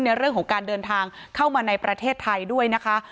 ในเรื่องของการเดินทางเข้ามาในประเทศไทยด้วยนะคะ